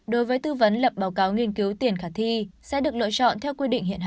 đối với tư vấn lập báo cáo nghiên cứu tiền khả thi sẽ được lựa chọn theo quy định hiện hành